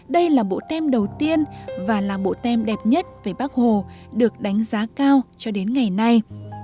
đây là bộ tem đầu tiên và là bộ tem đẹp nhất về bắc hồ được đánh giá cao cho đến ngày nay